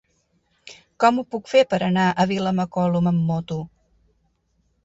Com ho puc fer per anar a Vilamacolum amb moto?